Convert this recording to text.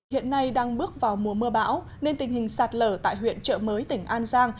hiện nay đang bước vào mùa mưa bão nên tình hình sạt lở tại huyện trợ mới tỉnh an giang